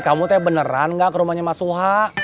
kamu beneran gak ke rumahnya masuk